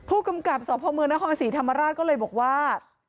ผู้กำกับสพเมืองนครศรีธรรมราชก็เลยบอกว่า